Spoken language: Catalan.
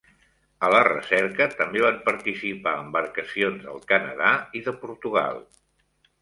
A la recerca també van participar embarcacions del Canadà i de Portugal.